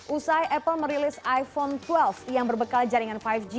usai apple merilis iphone dualf yang berbekal jaringan lima g